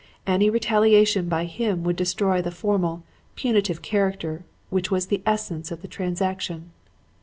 Any retaliation by him would destroy the formal, punitive character which was the essence of the transaction.